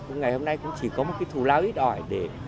chỉ có một cái thù lao ít ỏi